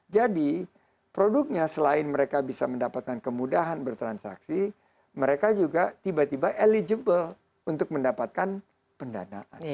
jadi produknya selain mereka bisa mendapatkan kemudahan bertransaksi mereka juga tiba tiba eligible untuk mendapatkan pendanaan